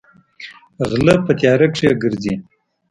غلۀ پۀ تيارۀ کښې ګرځي ـ